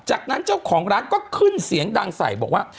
จากนั้นเจ้าของร้านก็ขึ้นเสียงดังใส่บอกว่า